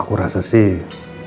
aku rasa sih